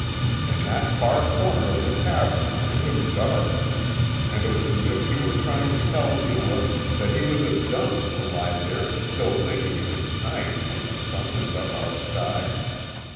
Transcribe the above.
In that far corner of the cavern it was dark, and it was as if he were trying to tell Neewa that he was a dunce to lie there still thinking it was night when the sun was up outside.